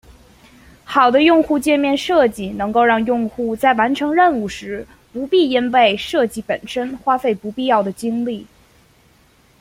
好的用户界面设计能够让用户在完成任务时不必因为设计本身花费不必要的精力。